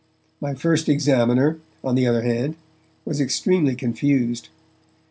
My first examiner, on the other hand, was extremely confused.